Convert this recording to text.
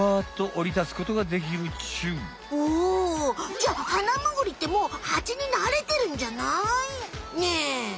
じゃあハナムグリってもうハチになれてるんじゃない？ねえ。